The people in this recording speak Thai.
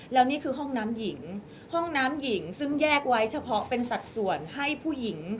แล้วนี่คือห้องน้ำหญิงห้องน้ำหญิงซึ่งแยกไว้เฉพาะเป็นสัดส่วนให้ผู้หญิง